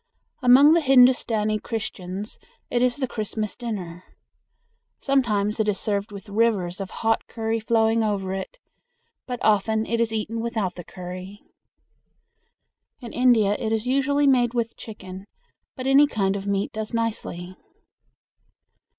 Among the Hindustani Christians it is the Christmas dinner. Sometimes it is served with rivers of hot curry flowing over it, but often it is eaten without the curry. In India it is usually made with chicken, but any kind of meat does nicely.